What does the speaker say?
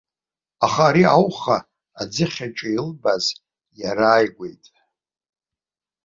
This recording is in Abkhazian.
Аха ари ауха аӡыхьаҿы илбаз иарааигәеит.